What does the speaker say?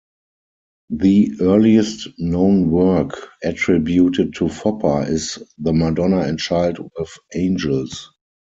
The earliest known work attributed to Foppa is "The Madonna and Child with Angels".